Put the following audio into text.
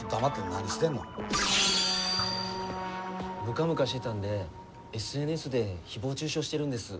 ムカムカしてたんでＳＮＳで誹謗中傷してるんです。